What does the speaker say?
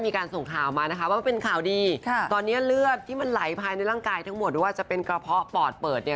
มีการส่งข่าวมานะคะว่ามันเป็นข่าวดี